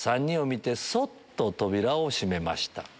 ３人を見てそっと扉を閉めました。